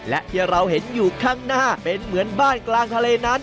และที่เราเห็นอยู่ข้างหน้าเป็นเหมือนบ้านกลางทะเลนั้น